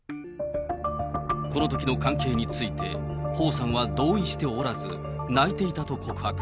このときの関係について、彭さんは同意しておらず、泣いていたと告白。